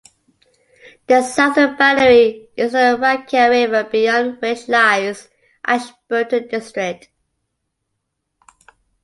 The southern boundary is the Rakaia River, beyond which lies Ashburton District.